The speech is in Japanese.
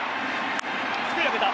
すくい上げた。